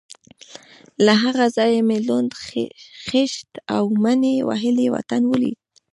له هغه ځایه مې لوند، خېشت او مني وهلی وطن ولید.